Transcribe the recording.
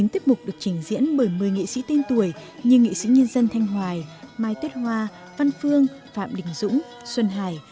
chín tiết mục được trình diễn bởi một mươi nghệ sĩ tên tuổi như nghệ sĩ nhân dân thanh hoài mai tuyết hoa văn phương phạm đình dũng xuân hải